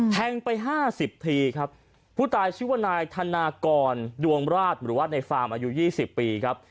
แทงไปห้าสิบทีครับผู้ตายชื่อว่านายธนากรดวงราชหรือว่าในฟาร์มอายุยี่สิบปีครับ